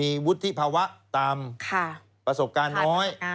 มีวุฒิภาวะตามอภาษการน้อย